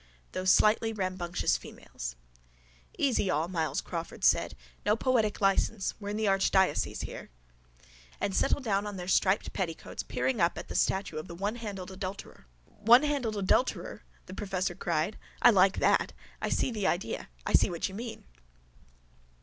THOSE SLIGHTLY RAMBUNCTIOUS FEMALES —Easy all, Myles Crawford said. No poetic licence. We're in the archdiocese here. —And settle down on their striped petticoats, peering up at the statue of the onehandled adulterer. —Onehandled adulterer! the professor cried. I like that. I see the idea. I see what you mean.